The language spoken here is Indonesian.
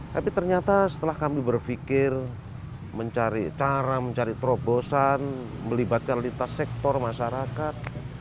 tapi ternyata setelah kami berpikir mencari cara mencari terobosan melibatkan lintas sektor masyarakat